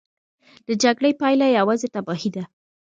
د جګړې پایله یوازې تباهي ده.